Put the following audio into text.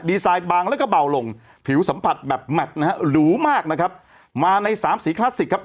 ไซด์บางแล้วก็เบาลงผิวสัมผัสแบบแม็กซ์นะฮะหรูมากนะครับมาในสามสีคลาสสิกครับ